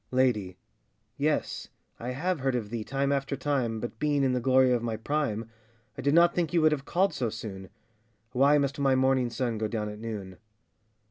LADY. Yes! I have heard of thee time after time, But being in the glory of my prime, I did not think you would have called so soon. Why must my morning sun go down at noon?